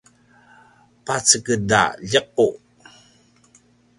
paceged a ljequ